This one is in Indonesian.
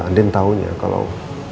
andin tahunya kalau